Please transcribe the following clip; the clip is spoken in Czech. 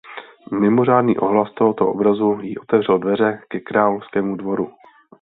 Mimořádný ohlas tohoto obrazu jí otevřel dveře ke královskému dvoru.